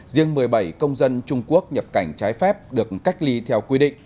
riêng một mươi bảy công dân trung quốc nhập cảnh trái phép được cách ly theo quy định